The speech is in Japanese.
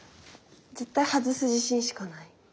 絶対外す自信しかない。